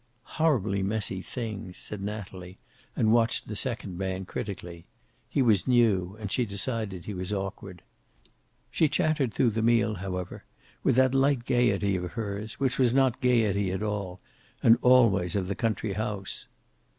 "Horribly messy things," said Natalie, and watched the second man critically. He was new, and she decided he was awkward. She chattered through the meal, however, with that light gayety of hers which was not gayety at all, and always of the country house.